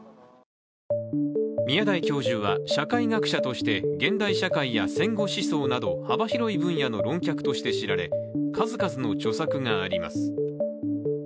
宮台教授は社会学者として現代社会や戦後思想など幅広い分野の論客として知られ数々の著作があります。